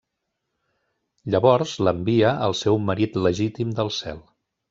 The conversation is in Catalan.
Llavors l'envia al seu marit legítim del cel.